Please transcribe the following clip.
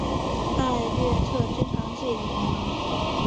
艾略特经常用自己的语言能力。